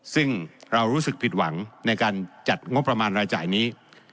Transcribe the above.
ซึ่งเรารู้สึกผิดหวังในการจัดงบประมาณรายจ่ายนี้